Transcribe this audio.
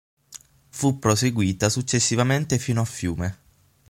Fu proseguita successivamente fino a Fiume.